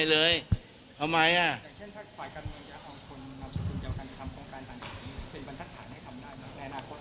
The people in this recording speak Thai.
ถ้าเพื่อนแบบฝ่ายกันคุณท่านอาทิตย์ให้ทำโครงการต่างอาจทุก